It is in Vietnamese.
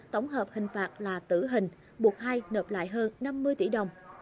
tổng hợp hình phạt là tử hình buộc hai nộp lại hơn năm mươi tỷ đồng